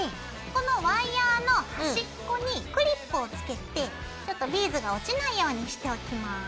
このワイヤーの端っこにクリップをつけてちょっとビーズが落ちないようにしておきます。